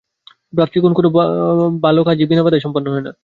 ভ্রাতৃগণ, কোন ভাল কাজই বিনা বাধায় সম্পন্ন হয় না।